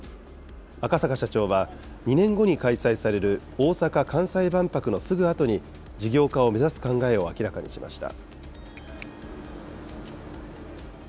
赤坂社長は、２年後に開催される大阪・関西万博のすぐあとに事業化を目指す考えを明らかにしました。